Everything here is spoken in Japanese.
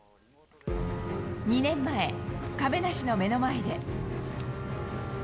２年前、亀梨の目の前で。